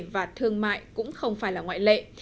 và thương mại cũng không phải là ngoại lệ